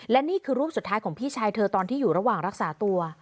และนี่คือรูปสุดท้ายของพี่ชายเธอตอนที่อยู่ระหว่างรักษาตัว